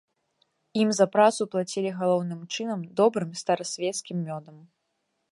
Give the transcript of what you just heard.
Ім за працу плацілі галоўным чынам добрым старасвецкім мёдам.